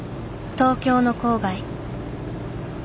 東京の郊外。